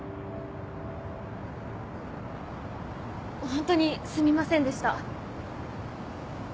ホントにすみませんでした。